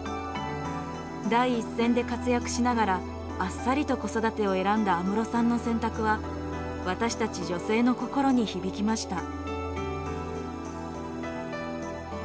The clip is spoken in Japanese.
第一線で活躍しながらあっさりと子育てを選んだ安室さんの選択は私たち女性の心に響きました。